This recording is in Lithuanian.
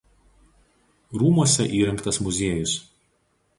Rūmuose įrengtas muziejus.